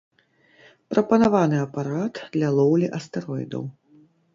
Прапанаваны апарат для лоўлі астэроідаў.